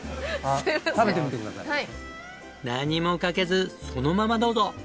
何もかけずそのままどうぞ！